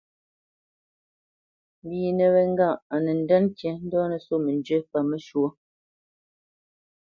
Mbínə wé ŋgâʼ á nə́ ndə̂ ŋkǐ ndo nə́ sô mbə paməshwɔ̌.